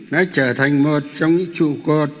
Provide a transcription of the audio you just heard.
đã trở thành một trong những trụ cột